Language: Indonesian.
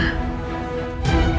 kanda akan mengabulkan permohonanmu